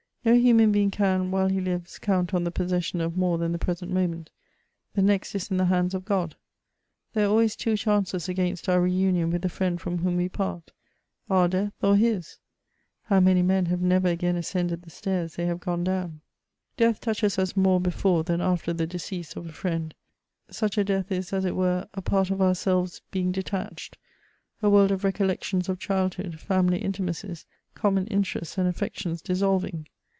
No human being can, while he lives, count on tiie possession oi more than the present moment; the next is m the hands^ God There are always two chances against our re umon with the friend from whom we part— our death or his. How many men have never again ascended the stwrs they have gone Dekth touches va more before than after Ae decease of a, friend ; such a death is, as it were, a part of ou^ves bang detach^d a world of reooUe^ons of childhood, feauly mti macies. common mterests and affections dissolviMf.